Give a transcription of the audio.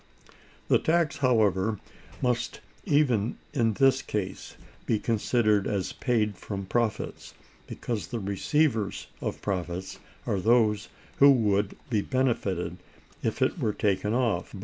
The tax, however, must even in this case be considered as paid from profits, because the receivers of profits are those who would be benefited if it were taken off.